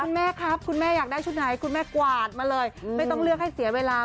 คุณแม่ครับคุณแม่อยากได้ชุดไหนคุณแม่กวาดมาเลยไม่ต้องเลือกให้เสียเวลา